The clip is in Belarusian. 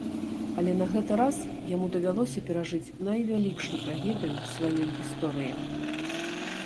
Але на гэты раз яму давялося перажыць найвялікшую трагедыю ў сваёй гісторыі.